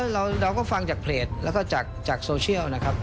เราก็ฟังจากเพจแล้วก็จากโซเชียลนะครับ